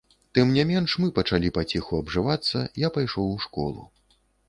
Тым не менш, мы пачалі паціху абжывацца, я пайшоў у школу.